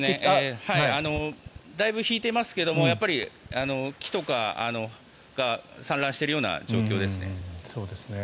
だいぶ引いていますが木とかが散乱しているような状況ですね。